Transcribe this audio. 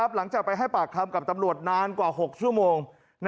หลังจากไปให้ปากคำกับตำรวจนานกว่า๖ชั่วโมง